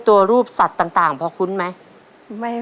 ตัวเลือดที่๓ม้าลายกับนกแก้วมาคอ